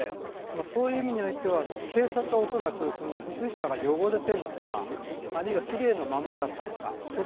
靴下が出てきたのでそういう意味においては警察は、おそらく靴下が汚れているのかあるいは、奇麗なままだったのか